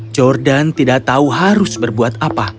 jordan tidak tahu harus berbuat apa